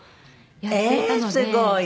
えっすごい！